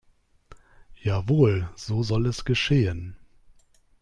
Jawohl, so soll es geschehen.